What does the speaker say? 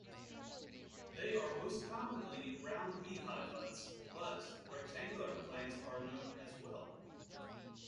They are most commonly round beehive huts, but rectangular plans are known as well.